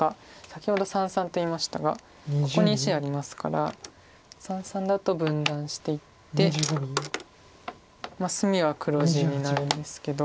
先ほど三々と言いましたがここに石ありますから三々だと分断していって隅は黒地になるんですけど。